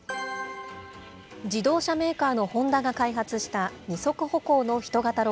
自動車メーカーのホンダが開発した、２足歩行の人型